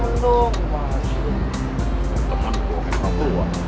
temen gue temen aku wah